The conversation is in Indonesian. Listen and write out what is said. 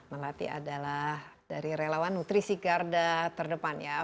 melati adalah dari relawan nutrisi garda terdepan ya